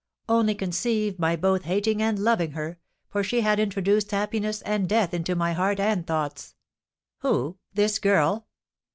"Only conceive my both hating and loving her; for she had introduced happiness and death into my heart and thoughts." "Who? This girl?"